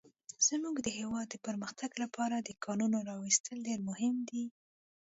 زموږ د هيواد د پرمختګ لپاره د کانونو راويستل ډير مهم دي.